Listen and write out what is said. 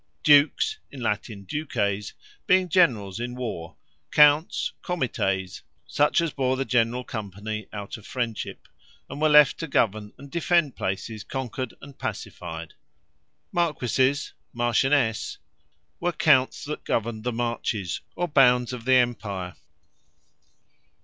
Dukes, in Latine Duces, being Generalls in War: Counts, Comites, such as bare the Generall company out of friendship; and were left to govern and defend places conquered, and pacified: Marquises, Marchiones, were Counts that governed the Marches, or bounds of the Empire.